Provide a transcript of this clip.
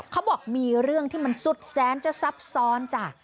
เขาบอกมีเรื่องที่มันสุดแสนจะซับซ้อนจ้ะ